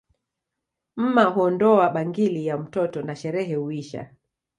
Mma huondoa bangili ya mtoto na sherehe huisha